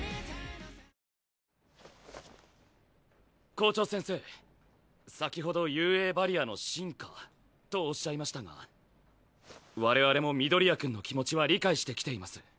校長先生先程雄英バリアの真価と仰いましたが我々も緑谷くんの気持ちは理解して来ています。